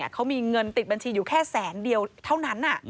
เขามีเงินติดบัญชีอยู่แค่แสนเดียวเท่านั้น